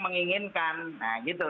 menginginkan nah gitu